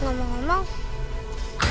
sama aku jadi capek